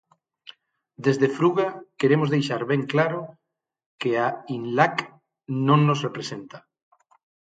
Desde Fruga queremos deixar ben claro que a Inlac non nos representa.